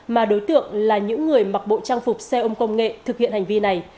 mà đối tượng là những người mặc bộ trang phục xe ôm công nghệ thực hiện hành vi này